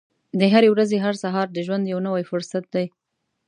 د هرې ورځې هر سهار د ژوند یو نوی فرصت دی.